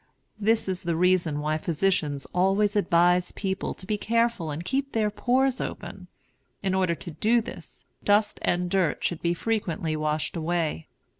This is the reason why physicians always advise people to be careful and keep their pores open. In order to do this, dust and dirt should be frequently washed away.